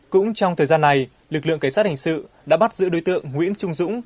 cũng trong thời gian này lực lượng cảnh sát hình sự đã bắt giữ đối tượng nguyễn trung dũng